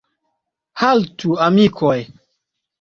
Haltu, amikoj!